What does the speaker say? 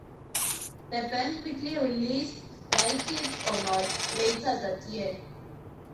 The band quickly released "Like it or Not" later that year.